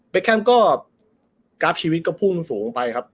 แคมป์ก็กราฟชีวิตก็พุ่งสูงลงไปครับ